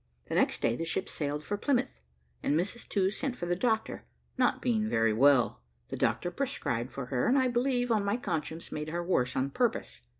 The next day the ship sailed for Plymouth, and Mrs To sent for the doctor, not being very well. The doctor prescribed for her, and I believe, on my conscience, made her worse on purpose.